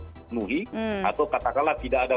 dipenuhi atau katakanlah tidak ada